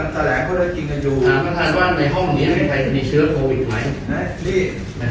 ถามความนวกว่าในห้องนี้อ่ะใครมีเชื้อโควิธย์ไหม